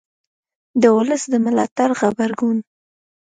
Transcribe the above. د ولس د ملاتړ غبرګون